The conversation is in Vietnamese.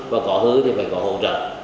và có hư thì phải có hỗ trợ